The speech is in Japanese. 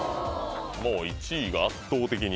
もう１位が圧倒的に。